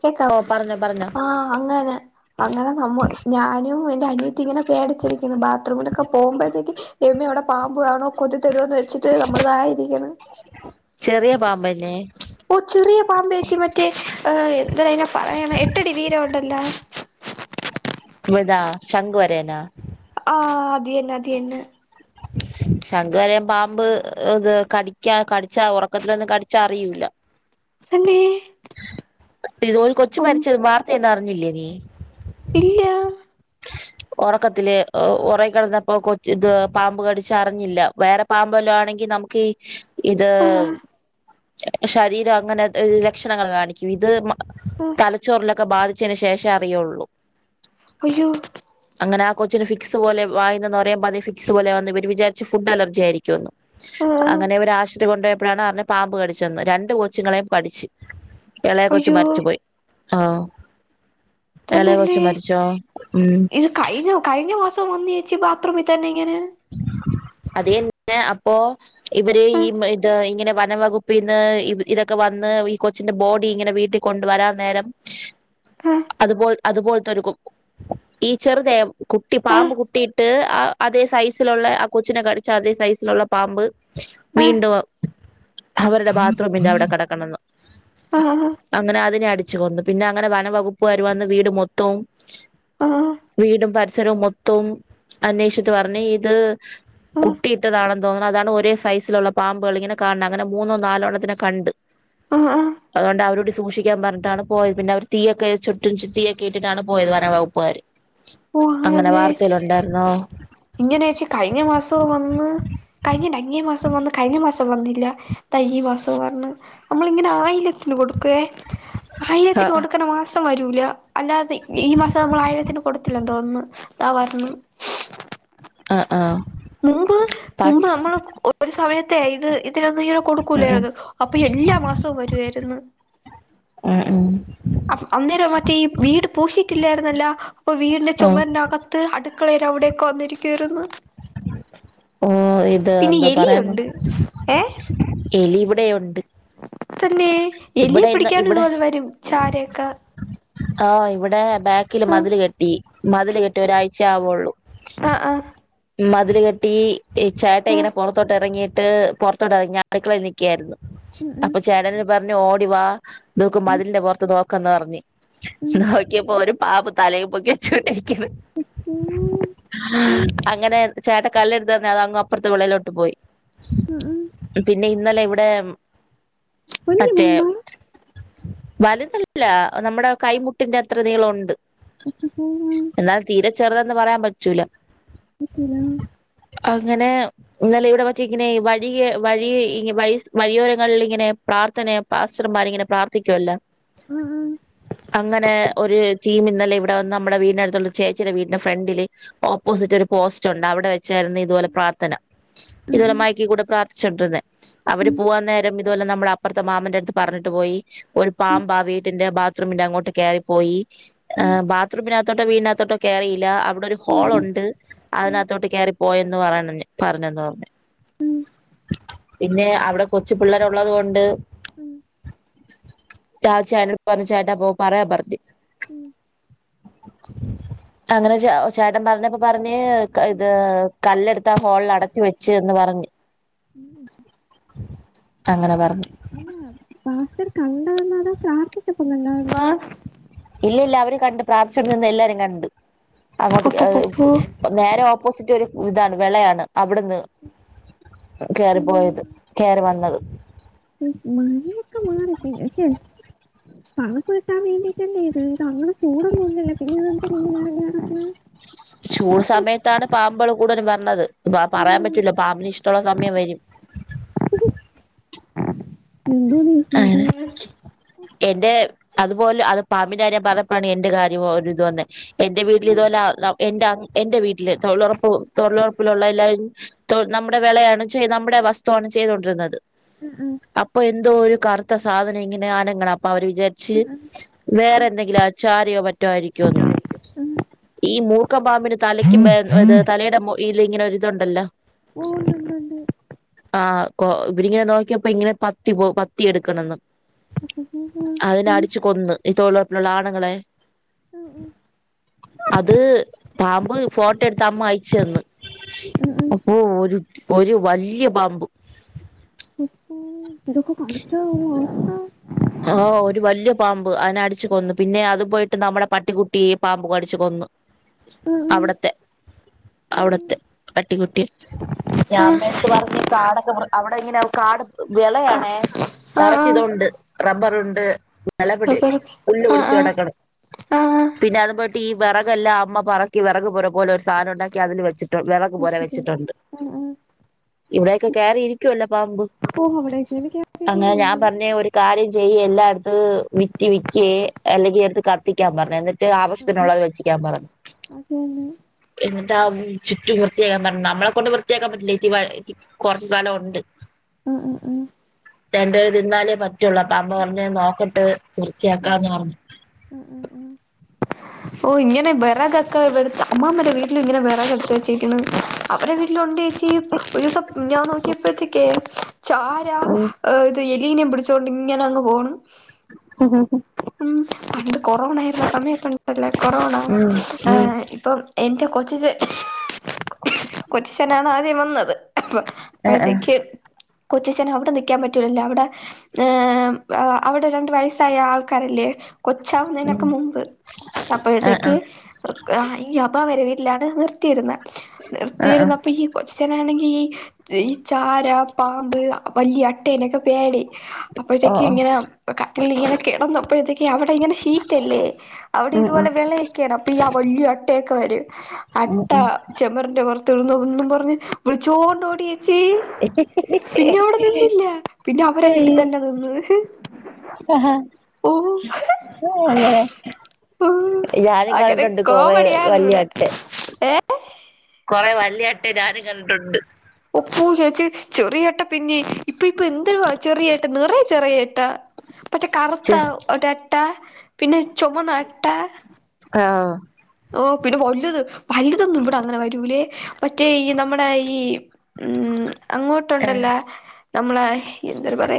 കേൾക്ക ഓ പറഞ്ഞോ പറഞ്ഞോ ആഹ് അങ്ങനെ. അങ്ങനെ നമ്മൾ ഞാനും എന്റെ അനിയത്തി ങ്ങനെ പേടിച്ചിരിക്കുന്ന് ബാത്റൂമിലൊക്കെ പോകുമ്പഴത്തേക്ക്. ദൈവമേ അവിടെ പാമ്പു ആണോ കൊതി തരോന്ന് വെച്ചിട്ട് നമ്മള് തായിരിക്കണം. ചെറിയ പാമ്പന്നേ ഓഹ് ചെറിയ പാമ്പേച്ചി മറ്റേ ഏഹ് എന്തെര് അയിന പറയണ എട്ടടി വീരൻ ഒണ്ടല്ല [unintelligible] ശംഖ് വരയനാ ആഹ് അത് യന്ന അത് യന്ന ശംഖ് വരയൻ പാമ്പ് ഇത് കടിക്കാ കടിച്ചാ ഒറക്കത്തിലൊന്നും കടിച്ചാ അറിയൂല തന്നെ ഇത് ഒരു കൊച്ചു ഉം മരിച്ചത് വാർത്തേന്നും അറിഞ്ഞില്ലേ നീ ഇല്ല ഒറക്കത്തില് ഒ ഒറങ്ങി കെടന്നപ്പോ കൊച്ച് ഇത് പാമ്പ് കടിച്ച അറിഞ്ഞില്ല വേറെ പാമ്പ് വല്ലോം ആണെങ്കി നമുക്കീ ഇത് ആഹ് ശരീരം അങ്ങന ഏഹ് ലക്ഷണങ്ങള് കാണിക്കും ഇത് മ ആഹ് തലച്ചോറിലൊക്കെ ബാധിച്ചേന് ശേഷേ അറിയൂള്ളു അയ്യോ അങ്ങനെ ആ കൊച്ചിന് ഫിക്സ് പോലെ വായീന്ന് നൊരേം പതേം ഫിക്സ് പോലെ വന്ന് ഇവര് വിചാരിച്ച് ഫുഡ് അലർജി ആയിരിക്കൂന്ന് ആഹ് അങ്ങനെ ഇവര് ആശുത്രി കൊണ്ടു പൊയപ്പൊഴാണ് അറിഞ്ഞ പാമ്പ് കടിച്ചെന്ന് രണ്ട് കൊച്ചുങ്ങളേം കടിച്ച് എളേ കൊച്ച് അയ്യോ മരിച്ച് പോയി ആഹ് എളേ കൊച്ച് മരിച്ചോ ഉം കയിഞ്ഞു കഴിഞ്ഞ മാസം വന്ന് ചേച്ചി ബാത്ത്റൂമി തന്നെ ഇങ്ങനെ അത് യന്ന അപ്പൊ ഇവര് ഈ ആഹ് ഇത് ഇങ്ങനെ വനം വകുപ്പീന്ന് ഇത് ഇതൊക്കെ വന്ന് ഈ കൊ ച്ചിന്റെ ബോഡി ഇങ്ങനെ വീട്ടി കൊണ്ട് വരാൻ നേരം ആഹ് അതുപോൽ അതുപോൽത്തൊരു കു കു ഈ ചെറുതെ കുട്ടി പാമ്പ് കുട്ടി ട്ട് ആഹ് അതേ സൈസിലൊള്ളേ ആ കൊച്ചിനെ കടിച്ച അതേ സൈസിലൊള്ള പാമ്പ് ആഹ് വീണ്ടും അവരുടെ ബാത്ത്റൂമിന്റെ അവിട കെടക്കണെന്ന് ആഹ് ആഹ് അങ്ങനെ അതിനെ അടിച്ചു കൊന്നു പിന്നെ അങ്ങനെ വനം വകുപ്പ്കാര് വന്ന് വീട് മൊത്തൊം ആഹ് വീടും പരിസരവും മൊത്തവും അന്വേഷിച്ചിട്ട് പറഞ്ഞ് ഇ ത് ആഹ് കുട്ടിയിട്ടതാണെന്ന് തോന്നണ് അതാണ് ഒരേ സൈസ് സിലൊള്ള പാമ്പുകള് ഇങ്ങനെ കാണണെ അങ്ങനെ മൂന്നോ നാലോ എണ്ണത്തിനെ കണ്ട് ആഹ് ആഹ് അതൊണ്ട് അവര് ഡിസ്‌ സൂക്ഷിക്കാൻ പറഞ്ഞിട്ടാണ് പോയത് പിന്നെ അവര് തീയൊക്ക ചുറ്റും തീ ഒക്കെ ഇട്ടിട്ടാണ് പോയത് വനം വകുപ്പുകാര് ഓ അങ്ങനെ അങ്ങനല്ലേ വാർത്തേലൊണ്ടാർന്നു ഇങ്ങനേച്ചി കഴിഞ്ഞ മാസോം വന്ന് കഴിഞ്ഞേന്റെ അങ്ങേ മാസോം വന്ന് കഴിഞ്ഞ മാസ [unintelligible] വന്നില്ല താ ഈ മസോം വർണ് നമ്മളിങ്ങനെ ആയില്യത്തിന് കൊടുക്കുവേ ആയില്യത്തിന് ആഹ് കൊടുക്കണ മാസം വരൂല അല്ലാതെ ഈ മാസം നമ്മള് ആയില്യത്തിന് ത്തില്ലന്ന് തോന്നുന്നു ദാ വരണ് ആഹ് ആഹ് മുമ്പ് പ മുമ്പ് നമ്മള് ഒരു സമയത്തേ ഇത് ഇതിലൊന്നും ഇങ്ങനെ ഉം കൊടുക്കൂലേർന്നു അപ്പൊ എല്ലാ മാസോം വരുവേര്ന്ന് ഉം മ്ഹ് അ അന്നേരം മറ്റേ ഈ വീട് പൂശിയിട്ടില്ലേർന്നല്ല അപ്പൊ വീടിന്റെ ഉം ചൊമറിനകത്ത് അടുക്കളേര അവിടേക്ക വന്നിരിക്കുവേർന്നു ഓഹ് ഇത് പിന്നെ എന്തോ പറയാൻ വ എലിയുണ്ട് ഏ എലി ഇവിടേം ഒണ്ട് തന്നെ എലിയെ പിടിക്കാനും ഇവിടെ ഇതുപോലെ വരും ചാരേക്ക ആഹ് ഇവിടെ ബാക്കില് ആ മതില് കെട്ടി മതില് കെട്ടി ഒരാഴ്ച ആവൊ ള്ളൂ ആഹ് ആഹ് മതില് കെട്ടി ചേട്ടൻ ഇങ്ങനെ പൊറത്തോട്ട് എറങ്ങിയിട്ട് പുറത്തോട്ട് എറങ്ങ്യ അടുക്കളെ നിക്കേർന്നു അപ്പൊ ചേട്ടൻ എന്നോട് പറഞ്ഞു ഓടിവാ ഇത് നോക്ക് മതിലിന്റെ പൊറത്ത് നോ ക്കന്ന് പറഞ്ഞ് നോക്കിയപ്പോ ഒരു പാമ്പ് തലയും പൊക്കി ച്ചോണ്ടിരിക്കണ് അങ്ങനെ ചേട്ടൻ കല്ല് എടുത്ത് എറിഞ്ഞു അത് അങ്ങ് അപ്പറത്തെ വിളയിലോട്ട് പോയി മം ഉം പിന്നെ ഇന്നലെ ഇവിടെ കുഞ്ഞ മറ്റേ വലുതല്ല നമ്മുടെ കൈമുട്ടിന്റെ അത്ര നീളൊണ്ട് ആ എന്നാൽ തീരെ ചെറുതെന്ന് പറയാൻ പറ്റൂല [unintelligible] അങ്ങനെ ഇന്നലെ ഇവിടെ മറ്റേ ഇങ്ങനെ വഴിയെ വഴിയെ വഴി വഴിയോരങ്ങളിൽ ഇങ്ങനെ പ്രാർത്ഥന പാസ്റ്റർമാർ ഇങ്ങനെ പ്രാർത്ഥിക്കുവല്ല ഉം ഉം അങ്ങനെ ഒരു ടീം ഇന്നലെ ഇവിടെ വന്ന് നമ്മടെ വീടിനടുത്തുള്ള ചേച്ചിയ്ടെ വീടിന്റെ ഫ്രണ്ടില് ഓപ്പോസിറ്റ് ഒരു പോസ്റ്റ് ഉണ്ട് അവിടെ വെ ച്ചായിരുന്നു ഇതുപോലെ പ്രാർത്ഥന ഇതുപോലെ മയക്കികൂടെ പ്രാർത്ഥിച്ചുകൊണ്ടിരന്നെ അവര് പോവാൻ നേരം അതുപോലെ നമ്മടെ അപ്പർത്തെ മാമന്റെ അ ട്ത്ത് പറഞ്ഞിട്ട് പോയി ഒരു പാമ്പാ വീട്ടിന്റെ ബാത്റൂമിന്റെ അങ്ങോട്ട് കയറിപ്പോയി ആ ബാത്റൂമിനകത്തോട്ടോ വീടിനകത്തോട്ടോ കേയറിയില്ല അവിടെ ഒരു ഹോൾ ഉണ്ട് അതിനകത്തോട്ട് കെയറി പോയന്ന് പറയ പറഞ്ഞന്ന് പറഞ്ഞു പിന്നെ അവടെ കൊച്ചു പിള്ളേർ ഉള്ളത് കൊണ്ട് ആ ചേട്ടനൊട് പറഞ്ഞു ചേട്ടാപ്പൊ പറയാം പറഞ്ഞ് ഉം ഉ അങ്ങനെ ചെ ചേട്ടൻ പറഞ്ഞപ്പോ പറഞ്ഞ് ഇത് കല്ലെടുത്താ ഹോളിൽ അടച്ച് വെച്ച് എന്ന് പറഞ്ഞ് അങ്ങനെ പറഞ്ഞു അല്ലാ ഇവര് കണ്ടെതന്നെടാ പ്രാർത്ഥിച്ചപ്പക്കണ്ടാണൊ ഇല്ല ഇല്ല അവര് കണ്ട് പ്രാർത്ഥിച്ചോണ്ട് നിന്ന എല്ലാരും കണ്ട് അങ്ങോട്ട് കേ അത് അപ്പപ്പപ്പോ നേരെ ഓപ്പോസിറ്റ് ഒരു ഇതാണ് വെളയാണ് അവിടുന്ന് കെയറി പോയത് കെയറി വന്നത് മഴയൊക്കെ മാറി [unintelligible] തണുപ്പ് കിട്ടാൻ വേണ്ടിട്ടല്ലേ ഇത് ഇതങ്ങനെ ചൂടൊന്നുന്നില്ലൊ പിന്നെ ഇതെതിന് ഇങ്ങനെ ഇറങ്ങി നടക്കണെ ചൂട് സമയത്താണ് പാമ്പള് കൂടുതലും വര്ണത് പറയാൻ പറ്റൂല്ല പാമ്പിന് ഇഷ്ടൊളള സമയം വരും ആ ഉം എന്റെ അതുപോലെ അത് പാമ്പിന്റെകാര്യം പറഞ്ഞപ്പയാണ് എന്റെ കാര്യം ഒരിത് വന്നെ എന്റെ വീട്ടിൽ ഇതുപോലെ എന്റെ എന്റെ വീട്ടില് തൊഴിലുറപ്പ് തൊഴിലുറപ്പിലുള്ള എല്ലാരും നമ്മുടെ വെളയാണ് നമ്മുടെ വസ്തുവാണ് ചെയ്തുകൊണ്ടിരുന്നത് ഉം ഉം ഇപ്പൊ എന്തോ ഒരു കർത്ത സാധനം ഇങ്ങനെ അനങ്ങ്ണ് അപ്പ അവര് വിചാരിച്ച് ആ വേറെ എന്തെങ്കിലും ആ ചാരിയോ മറ്റോ ആയിരിക്കോ എന്ന് ആ ഈ മൂർക്കം പാമ്പിന് തലയ്ക്കും മേ ആ ആ തലയുടെ ഇല ഇങ്ങനെ ഒരിതുണ്ടല ഓ ഉണ്ട് ണ്ട് ആ കൊ ഇവരിങ്ങനെ നോക്കിയപ്പോ ഇങ്ങനെ പത്തി പോ പത്തി എടുക്കണെന്നും [unintelligible] അതിനെ അടിച്ചു കൊന്ന് ഈ തൊഴിലുറപ്പിലുള്ള ആണുങ്ങളെ ഉം ഉം അത് പാമ്പ് ഫോട്ടോ എടുത്ത് അമ്മ അയിച്ച്തന്ന് അപ്പ ഒര് ഒരു വല്ല്യ പാമ്പ് ഒ ഓഹ് അതൊക്ക കാടിച്ച ഉള്ളൊര അവസ്ഥ ഓ ഒരു വലിയ പാമ്പ് അതിനെ അടിച്ചു കൊന്നു പിന്നെ അത് പോയിട്ട് നമ്മുടെ പട്ടികുട്ടിയെ പാമ്പ് കടിച്ചു കൊന്ന് ഉം ഉം അവിടത്തെ പട്ടിക്കുട്ടി ആ ആ ഞാൻമ്മേടത്ത് പറഞ്ഞ് കാടൊക്കെ അവിടെ എങ്ങനാ കാട് കാ വിളയാണേ ആ ആ തറക്ക ഇതുണ്ട് റബ്ബറുണ്ട് മളപടി ഓക്കെ ഓക്കെ പുല്ല് ആ പിടിച്ച് ആ കിടക്കണ് ആ ആ പിന്നെ അതുപോയിട്ട് ഈ വിറകെല്ലാം അമ്മ പറക്കി വിറക് പുര പോലൊരു സാധനംണ്ടാക്കി അതില് വെച്ചിട്ടു വിറ വിറക് പോലെ വെച്ചിട്ടുണ്ട് ആ ആ ഇവിടെക്കെ കേയറിയിരിക്കുവല്ലോ പാമ്പ് ഓ അവിടേക്കാണ് അങ്ങനെ ഞാൻ കേറ്റിയിരിക്കുന്നത് പറഞ്ഞേ ഒരു കാര്യം ചെയ്യ് എല്ലായിടത്ത് വിറ്റ് വിക്ക് അല്ലെങ്കി എടുത്ത് കത്തിക്കാൻ പറഞ്ഞ് എന്നിട്ട് ആ ആ ആവഷ്യത്തിനുള്ളത് വെച്ചിക്കാൻ പറഞ്ഞു അത് തന്നെ എന്നിട്ട് ചുറ്റും വൃത്തിയാക്കാൻ പറഞ്ഞ നമ്മളെ കൊണ്ട് വൃത്തിയാക്കാൻ പറ്റില്ലേ കുറച്ച് സ്തലോണ്ട് അ അ ആഹ് രണ്ടുപേര് തിന്നാലേ പറ്റൊള്ളൂ അപ്പ അമ്മ പറഞ്ഞ് നോക്കട്ട് വൃർത്തിയാക്കാന്ന് പറഞ്ഞു ഓ ഇങ്ങേനെ വെറഗക്കാ ബടുത്ത അമ്മമാ അമ്മടെ വീട്ടിലും ഇങ്ങനെ വറെ എടുത്ത് വെച്ചേരിക്കണ അവരുടെ വീട്ടിലൊണ്ട ചെച്ച ഒരു ദിവസം ഞാൻ നോക്കിയപ്പോഴത്തേക്ക ചാര ഇത് ക്ലീന പിടിചൊണ്ട് ഇങ്ങനെങ് പോകണം [unintelligible] ഉം പണ്ട് കൊറോണ ആരുന്ന സമയത്തുണ്ടല്ലേ കൊറോണ ഏ ഉം ഇപ്പൊ. എന്റെ കൊച്ചിന് കൊച്ചിനാണ് ആദ്യം വന്നത് ആ ആ അപ്പോഴത്തേക്ക് കൊച്ചച്ചൻ അവിടെ നിക്കാൻ പറ്റൂലല്ലോ അവിടെ അവിടെ രണ്ടു വയസ്സായ ആൾ. കരല്ലേ ഉം കൊച്ചാവുന്നതിനൊക്കെ മുമ്പ് ആ ആ അപ്പോഴത്തേക്ക്. ഈ അബവരെ വീട്ടിലാണ് നിർത്തിയിരുന്നത് ആ ആ നിർത്തിയിരുന്നപ്പ ഈ കൊച്ചചനാണെങ്കിൽ ഈ ഈ ചാര പാമ്പ് വലിയ അട്ടേനെക്കെ പേടി. ഓ അപ്പോഴത്തേക്ക് ഓ ഇങ്ങനെ കത്തി ഇങ്ങനെ കിടന്നപ്പോഴത്തേക് അവിടെ ഇങ്ങനെ ഷീറ്റ്ല്ലേ അവിടെ ഉം ഇതുപോലെ ഉം വിള അപ്പൊ ആ വലിയ അട്ടയൊക്കെ വര് ഉം അട്ട ഉം ചെമ്മറിന്റെ വറത്തെുന്ന ഒന്നും പറഞ്ഞഞ് വിളിച്ചോണ്ട ഓടിയ. പിന്നെ അവിടെ നിന്നില്ല പിന്നെ അവരെ വിട്ടി തന്നെ നിന്. ആഹ് അങ്ങനെ. ഞാനും അങ്ങനെ കണ്ടിട്ടുണ്ട് കൊറേ കോമഡിയാണ് വലിയ ഇവിടെ അട്ടയെ. ഏ കൊറെ വലിയ അട്ട ഞാന് കണ്ടിട്ടുണ്ട്. ഒപ്പൂ ചേച്ചി ചെറിയട്ട പിന്നെ ഇപ്പൊ ഇപ്പൊ എന്തരു ചെറിയേട്ട നിറയ ചെറിയേട്ടാ. പറ്റേ കറുത്ത ചെ ഒട്ട പിന്നെ ചുമന്ന അട്ട. ആഹ്. ഓ പിന്നെ വലുത് വലുതൊന്നും ഇവിടെ അങ്ങനെ വരൂലേ മറ്റേ ഈ നമ്മുടെ ഈ. ഉം ആഹ് അങ്ങോട്ടുണ്ടല്ല. നമ്മളെ എന്താ പറ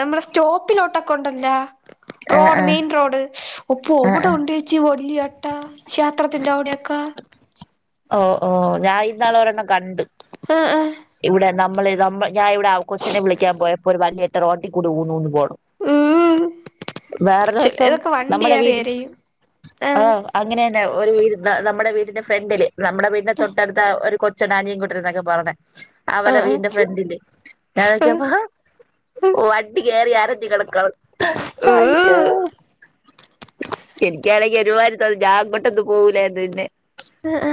നമ്മളെ സ്റ്റോപ്പിലോട്ടൊക്കെണ്ടല്ല. ആഹ് റോഡ് മെയിൻ റോഡ് ഉപ്പ ആഹ് അവിടെ ആഹ് ഉണ്ടച്ചി വലിയ അട്ട. ക്ഷേത്രത്തിൻ്റെ അവിടെയൊക്കെ. ഓ ഓ ഞാൻ ഇന്നാളൊരെണ്ണം കണ്ട് ആഹ് ആഹ് ഇവിടെ നമ്മള് നമ്മ ഞാൻവിടെ കൊച്ചനെ വിളിക്കാൻ പോയപ്പോ ഒരു വലിയ അട്ട റോട്ടി കൂടി ഊന്ന് ഊന്ന് പോകുന്നു. ഉം വേറെ ദിവസം ചിലതൊക്കെ വണ്ടി നമ്മുടെ കേറി വീട്ടിൽ എരയും ആഹ് അങ്ങനെ തന്നെ ഒരു നമ്മുടെ വീടിന്റെ ഫ്രണ്ടില് നമ്മുടെ വീടിന്റെ തൊട്ടടുത്ത ഒരു. ചെടാനിയും കൂട്ടർ എന്നൊക്കെ പറഞ്ഞണേ അവര ആഹ് വീട്ടിന്റെ ഫ്രണ്ടില് ഞാൻ ആഹ് നോക്കിയപ്പ. ഓ വണ്ടി കയറി അരഞ്ഞ കിടക്ണ് അയോ. എനിക്കാണെങ്കിൽ ഒരു വത്തത് ഞാ അങ്ങോട്ടന്ന് പോകൂലന്ന് പിന്നെ. ആ ആ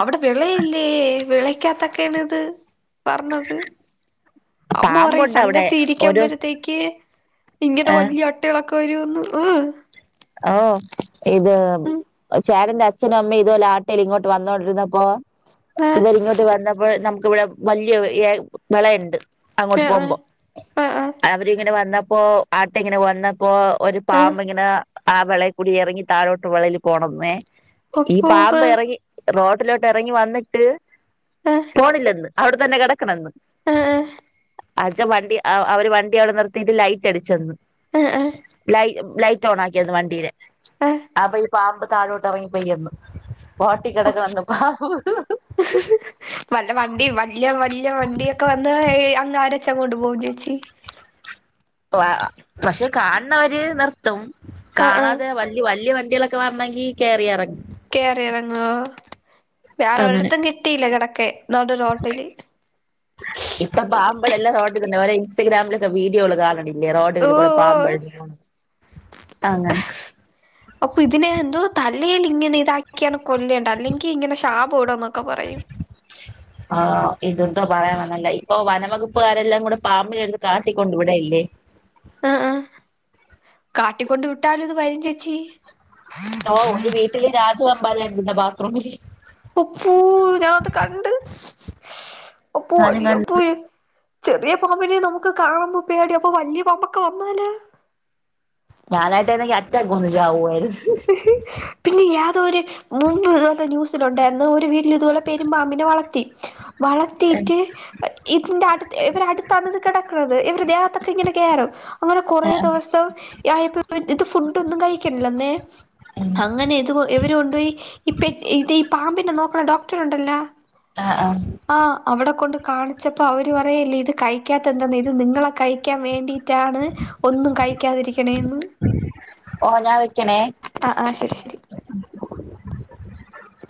അവിടെ വിളയില്ലേ വിളക്കാത്തൊക്കെയാണ് ഇത് പറഞ്ഞത്. ഉം. അമ്മ പറയും സംഘത്തി ഇരിക്കുമ്പോഴത്തേക്ക് ഇങ്ങനെ ഏ വലിയ. [unintelligible] വര്ന്ന് ആഹ് ആ ഓഹ് ഇത് ഉം ചേട്ടന്റെ അച്ഛനും അമ്മയും ഇതുപോലെ ആട്ടേൽ ഇങ്ങോട്ട് വന്നോണ്ടിരുന്നപ്പോ. ആഹ് ഇവരിങ്ങോട്ട് വന്നപ്പോൾ നമുക്കവിടെ വലിയ ഏഹ് വിളയ്ണ്ട്. അങ്ങോട്ട് ആഹ് പോകുമ്പോ ആഹ് ആഹ് അവരിങ്ങനെ വന്നപ്പോ ആട്ട ഇങ്ങനെ വന്നപ്പോ. ഒരു ആഹ് ആഹ് പാമ്പ് ഇങ്ങനെ ആ വിളയിൽ കൂടി ഇറങ്ങി തഴോട്ട് വിളൽ പോണന്നേ ഈ അപ്പോ പാമ്പ് ആഹ് ഇറങ്ങി റോട്ടിലോട്ട് ഇറങ്ങി വന്നിട്ട് ആഹ് പോണില്ലന്ന്. അവിടെ തന്നെ കിടക്കണന്ന്. ആഹ് അഛ വണ്ടി അവര് വണ്ടി അവിടെ നിർത്തിട്ട് ലൈറ്റ് അടിച്ചന്നു. ആഹ് ആഹ് ല ലൈറ്റ് ഓൺ ആക്കീന്നു വണ്ടീലെ ആഹ് അപ്പൊ ഈ പാമ്പ് താഴോട്ടിറങ്ങി പോയി പോട്ടി കിടക്കണ്ന്ന് പാമ്പ് ഉ വല്ല വണ്ടി വലിയ വലിയ വണ്ടിയൊക്കെ വന്ന് അങ്ങാരച്ചങ്ങോട്ട് പോകും ചേച്ചി. പക്ഷെ കാണുന്നവര് നിർത്തും ആഹ് ആഹ് കാണാതെ വ വലിയ വണ്ടികളൊക്കെ വരണങ്കി കേറി ഇറങ്ങും കേറി ഇറങ്ങോ വേറെ അങ്ങനെ ഒരിടത്തും കിട്ടില്ല കിടക്കാൻ നടു റോട്ടിൽ ഇപ്പൊ പാമ്പളെല്ലാം റോട്ടി തന്നെ ഇൻസ്റ്റഗ്രാമിലൊക്കെ വീഡിയോകള് കാണ ഇല്ല ഓ റോഡുകളിലൂടെ ഓ പാമ്പഴെഞ്ഞ് [unintelligible] അങ്ങനെ അപ്പൊ ഇതിനെ എന്തോ തലയിൽ ഇങ്ങനെ ഇതാക്കിയാണ് കൊല്ലേണ്ട അല്ലെങ്കി ഇങ്ങനെ ശാപം ഇടുന്നൊക്കെ പറയും [inaudible] ആഹ് ഇതൊന്താ പറയാൻ വന്നല്ലേ ഇപ്പൊ വനവകുപ്പുകാരെല്ലാം കൂടെ പാമ്പിനെ എടുത്ത് കാട്ടിക്കൊണ്ട് വിടല്ലേ ആഹ് ആഹ് കാട്ടിക്കൊണ്ട് വിട്ടാലും അത് വരും ചേച്ചി ഓഹ് ഒരു വീട്ടില് രാജവെമ്പാല ഇണ്ട് ബാത്റൂമില് ഉപ്പൂ ഞാത് കണ്ട് ഉപ്പൂ ഞാനും കണ്ട് വലിയപ്പൂവേ ചെറിയ പാമ്പിനെ നമുക്ക് കാണുമ്പോ പേടിയാ അപ്പൊ വലിയ പമ്പൊക്കെ വന്നാല ഞാനൊക്കെ ആണേ അറ്റാക്ക് വന്ന് ചാവുവേര്ന്ന് പിന്നെ ഏതോ ഒരു മുമ്പ് ഇതുപോലെ ന്യൂസിലുണ്ടായിന്ന് ഒരു വീട്ടില് ഇതുപോലെ പെരുമ്പാമ്പിനെ വളർത്തി വളത്തീറ്റ് ഇതിന്റെ അടുത്ത് ഇവർ അടുത്താണ് ഇത് കിടക്കണത് ഇവരു ദേഹത്തൊക്കെ ഇങ്ങനെ കേറും അങ്ങനെ കൊറേ ദിവസം യായപ്പം ഇത് ഫുഡൊന്നും കഴിക്ക്ണില്ലന്നേ അങ്ങനെ ഇത് ഇവര് കൊണ്ടയി ഇപ് ഇതി ഈ പാമ്പിന്നെ നോക്കണ ഡോക്ടർ ണ്ടല്ല ആഹ് ആഹ് ആ അവിടെ കൊണ്ട് കാണിച്ചപ്പോ അവര് പറയല്ലേ ഇത് കഴിക്കാത്തന്തെന്ന ഇത് നിങ്ങളെ കഴിക്കാൻ വേണ്ടി റ്റാണ് ഒന്നും കഴിക്കാതിരിക്കണേന്ന് ഓഹ് ഞാൻ വെക്കണേ ആ ശരി ശരി